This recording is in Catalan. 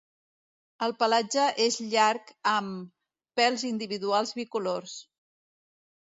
El pelatge és llarg amb, pèls individuals bicolors.